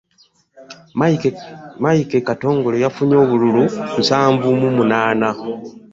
Mike Katongole yafunye obululu nsanvu mu munaana